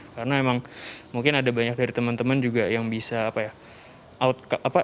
karena memang mungkin ada banyak dari teman teman juga yang bisa